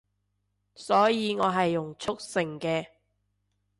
所以我係用速成嘅